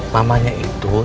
di empat puluh lima menit ini